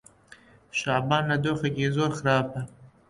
شەعبان لە دۆخێکی زۆر خراپە.